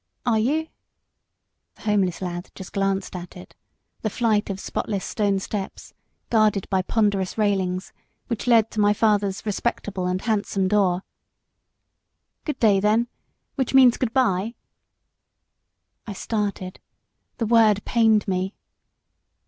"Are you?" The homeless lad just glanced at it the flight of spotless stone steps, guarded by ponderous railings, which led to my father's respectable and handsome door. "Good day, then which means good bye." I started. The word pained me.